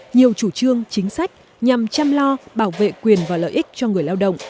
nhiều chủ trương chính sách nhằm chăm lo bảo vệ quyền và lợi ích cho người lao động